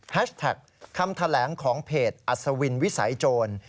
แท็กคำแถลงของเพจอัศวินวิสัยโจร